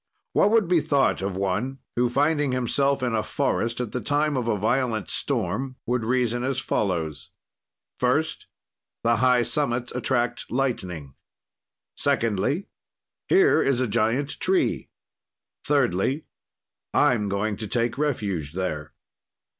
"What would be thought of one who, finding himself in a forest at the time of a violent storm, would reason as follows: "First: The high summits attract lightning. "Secondly: Here is a giant tree. "Thirdly: I'm going to take refuge there.